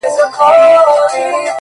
o دا ستا د حسن د اختر پر تندي ـ